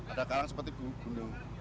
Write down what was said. ada karang seperti gunung